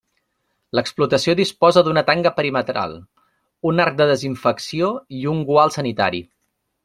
L'explotació disposa d'una tanca perimetral, un arc de desinfecció i un gual sanitari.